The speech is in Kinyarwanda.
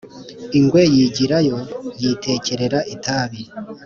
ingwe yigirayo, yitekerera itabi.